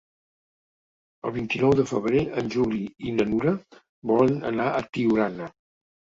El vint-i-nou de febrer en Juli i na Nura volen anar a Tiurana.